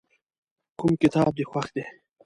کوم کتاب دې خوښ دی.